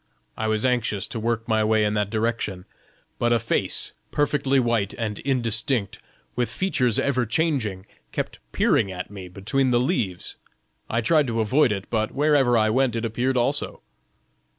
I was anxious to work my way in that direction; but a face perfectly white and indistinct, with features ever changing, kept peering at me between the leaves; I tried to avoid it, but wherever I went it appeared also.